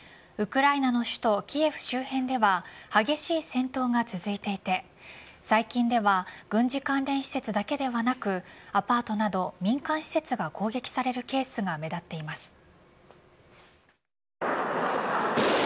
ウクライナの首都キエフ周辺では激しい戦闘が続いていて最近では軍事関連施設だけではなくアパートなど民間施設が攻撃されるケースが目立っています。